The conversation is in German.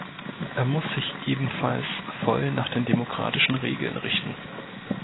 Er muss sich ebenfalls voll nach den demokratischen Regeln richten.